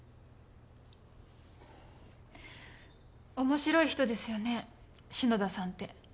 面白い人ですよね篠田さんって。